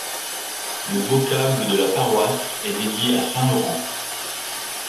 Le vocable de la paroisse est dédié à saint Laurent.